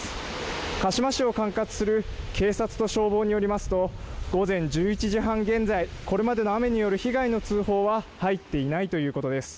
鹿嶋市を管轄する警察と消防によりますと午前１１時半現在、これまでの雨による被害の通報は入っていないということです。